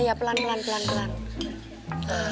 ya pelan pelan pelan pelan